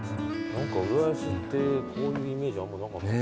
浦安ってこういうイメージあんまなかった。